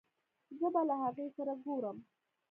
زه به له هغې سره ګورم